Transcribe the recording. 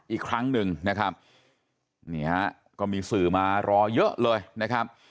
อีกครั้งหนึ่งนะครับนี่ฮะก็มีสื่อมารอเยอะเลยนะครับ